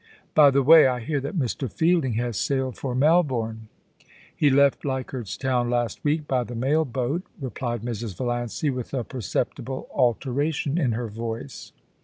By the way, I hear that Mr. Fielding has sailed for Melbourne.' * He left Leichardt's Town last week by the mail boat,* replied Mrs. Valiancy, with a perceptible alteration in her voice.